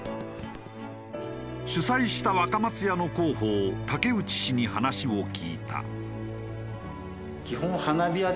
主催した若松屋の広報竹内氏に話を聞いた。